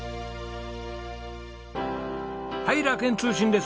はい楽園通信です。